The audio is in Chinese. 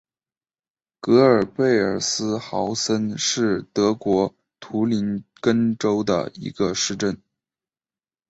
格尔贝尔斯豪森是德国图林根州的一个市镇。